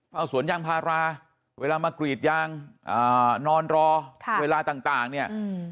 เอาสวนย่างพาราเวลามากรีดย่างอ่านอนรอค่ะเวลาต่างต่างเนี่ยอืม